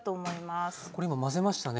これ今混ぜましたね。